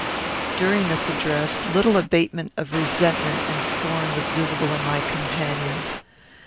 During this address, little abatement of resentment and scorn was visible in my companion.